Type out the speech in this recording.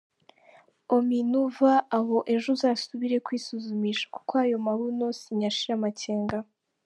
Ommy nuva aho ejo uzasubire kwisuzumisha, kuko ayo mabuno sinyashira amakenga